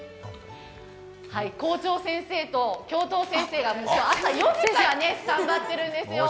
校長先生と教頭先生が朝４時からスタンバってるんです。